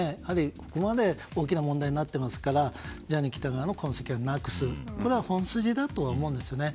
ここまで大きな問題になっていますからジャニー喜多川の痕跡をなくすのはこれは本筋だと思うんですよね。